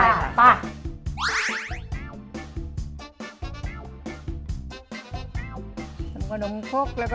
มีเป้งกำกนมคก